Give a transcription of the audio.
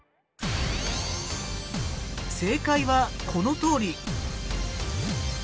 正解はこのとおり。